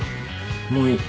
もういい。